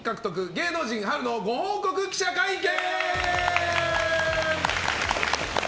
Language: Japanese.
芸能人春のご報告記者会見。